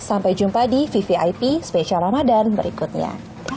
sampai jumpa di vvip spesial ramadan berikutnya